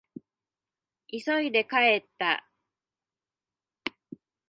急いで帰った。